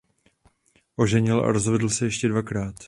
Oženil a rozvedl se ještě dvakrát.